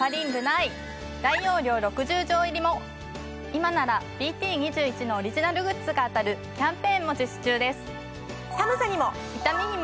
今ならＢＴ２１のオリジナルグッズが当たるキャンペーンも実施中です。